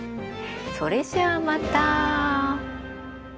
それじゃあまた。